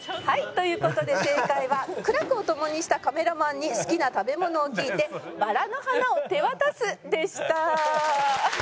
「という事で正解は苦楽を共にしたカメラマンに好きな食べ物を聞いてバラの花を手渡すでした」